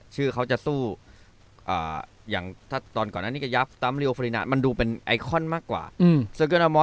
ชื่อเขาจะสู้อ่าอย่างถ้าตอนก่อนนั้นนี่ก็ยักษ์ตามมันดูเป็นมากกว่าอืม